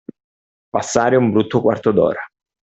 Passare un brutto quarto d'ora.